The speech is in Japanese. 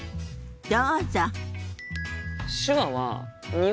どうぞ。